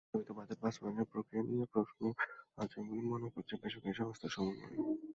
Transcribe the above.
প্রস্তাবিত বাজেট বাস্তবায়নের প্রক্রিয়া নিয়ে প্রশ্ন আছে বলে মনে করছে বেসরকারি সংস্থা সমুন্নয়।